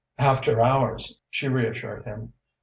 "After hours," she reassured him.